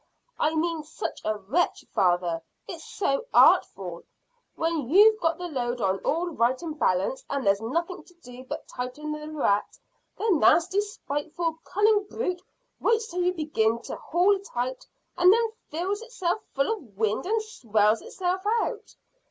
"I mean such a wretch, father. It's so artful. When you've got the load on all right and balanced, and there's nothing to do but tighten the lariat, the nasty, spiteful, cunning brute waits till you begin to haul tight, and then fills itself full of wind and swells itself out.